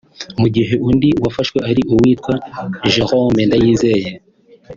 mu gihe undi wafashwe ari uwitwa Jerome Ndayizeye